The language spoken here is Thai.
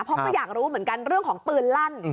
เพราะก็อยากรู้เหมือนกันเรื่องของปืนลั่น